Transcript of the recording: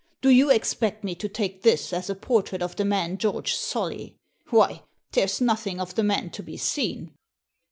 Do you expect me to take this as a portrait of the man George Solly? Why, there's nothing of the man to be seen